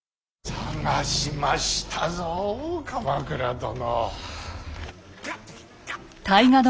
探しましたぞ鎌倉殿。